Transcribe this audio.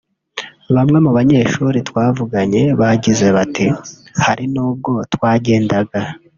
Bamwe mu banyeshuri twavuganye bagize bati “hari nubwo twagendaga